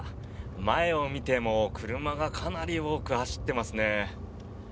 前を見ても、車がかなり多く走ってますね。